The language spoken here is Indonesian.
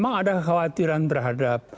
memang ada khawatiran terhadap